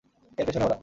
এর পেছনে ওরা!